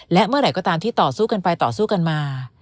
และเมื่อไหร่ก็ตามที่ต่อสู้กันไปต่อสู้กันมา